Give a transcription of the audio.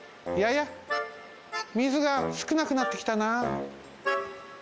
やっ水がすくなくなってきたな。